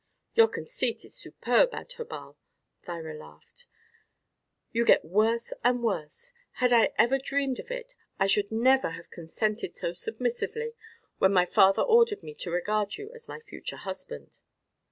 "Your conceit is superb, Adherbal," Thyra laughed. "You get worse and worse. Had I ever dreamed of it I should never have consented so submissively when my father ordered me to regard you as my future husband."